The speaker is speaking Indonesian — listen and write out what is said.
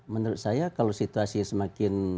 menurut saya kalau situasi semakin